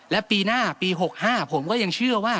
และปีหน้าปี๖๕ผมก็ยังเชื่อว่า